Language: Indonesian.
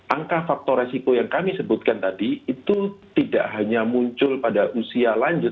angka faktor resiko yang kami sebutkan tadi itu tidak hanya muncul pada usia lanjut